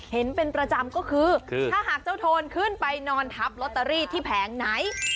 เห็นเป็นประจำก็คือถ้าหากเจ้าโทนขึ้นไปนอนทับลอตเตอรี่ที่แผงไหน